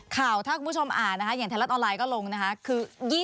ข่าวถ้าคุณผู้ชมอ่านนะคะอย่างไทยรัฐออนไลน์ก็ลงนะคะคือ